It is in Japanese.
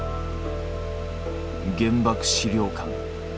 原爆資料館。